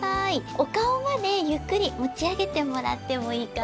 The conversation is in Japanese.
おかおまでゆっくりもちあげてもらってもいいかな。